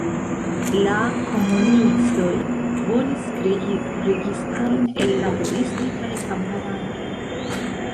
La komunistoj volis krei registaron el laboristoj kaj kamparanoj.